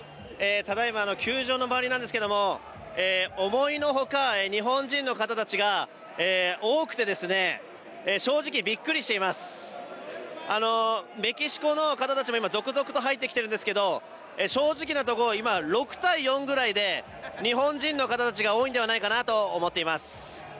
ただいま球場の周りなんですけれども、思いの外、日本人の方たちが多くて正直びっくりしています、メキシコの方たち今続々と入ってきてるんですけど正直なところ、今、６−４ぐらいで日本人の方たちが多いんじゃないかと思っています。